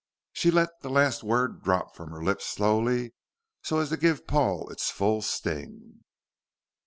She let the last word drop from her lips slowly, so as to give Paul its full sting.